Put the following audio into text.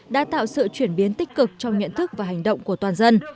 đã tạo sự chuyển biến tích cực trong nhận thức và hành động của toàn dân